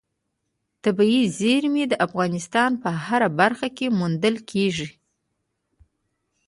طبیعي زیرمې د افغانستان په هره برخه کې موندل کېږي.